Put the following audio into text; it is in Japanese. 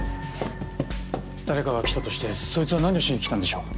誰かが来たとしてそいつは何をしに来たんでしょう？